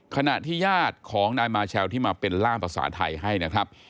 ขณะที่ญาติของนายมาเชลที่มาเป็นล่ามภาษาไทยให้นะครับ